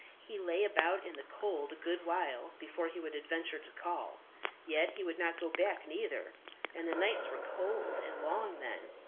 He lay about in the cold a good while before he would adventure to call. Yet he would not go back neither. And the nights were cold and long then.